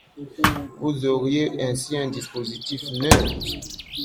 Vous auriez ainsi un dispositif neutre.